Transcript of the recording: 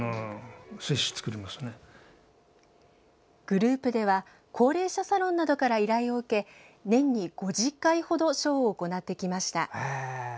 グループでは高齢者サロンなどから依頼を受け年に５０回ほどショーを行ってきました。